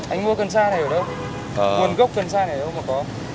anh mua cần xa này ở đâu nguồn gốc cần xa này ở đâu mà có